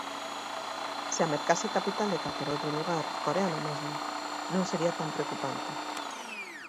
Se a mercase capital de calquera outro lugar, coreano mesmo, non sería tan preocupante.